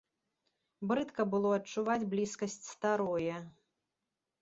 Брыдка было адчуваць блізкасць старое.